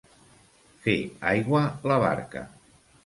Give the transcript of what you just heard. Fer aigua la barca.